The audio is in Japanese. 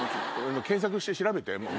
検索して調べて。